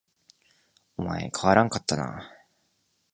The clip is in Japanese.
お前変わらんかったな